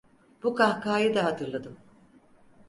Bu kahkahayı da hatırladım.